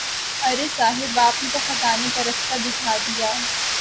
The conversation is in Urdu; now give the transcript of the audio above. ارے صاحب آپ نے تو خزانے کا راستہ دکھا دیا۔